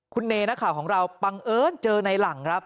คุณเนนักข่าวของเราบังเอิญเจอในหลังครับ